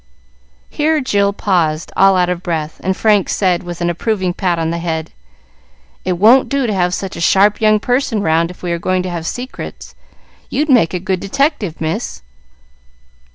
Here Jill paused, all out of breath, and Frank said, with an approving pat on the head, "It won't do to have such a sharp young person round if we are going to have secrets. You'd make a good detective, miss."